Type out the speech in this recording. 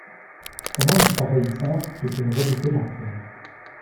Comment une pareille sainte peut-elle redouter l'enfer?